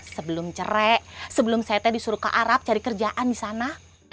sebelum cerai sebelum saya teh disuruh ke arab cari kerjaan di sana